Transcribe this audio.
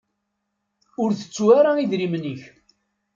Ur tettu ara idrimen-ik.